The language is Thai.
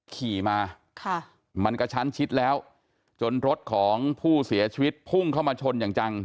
ขี่มาค่ะมันกระชั้นชิดแล้วจนรถของผู้เสียชีวิตพุ่งเข้ามาชนอย่างจัง